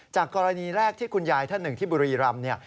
จากกรณีแรกที่คุณยายท่านหนึ่งที่บรีรำ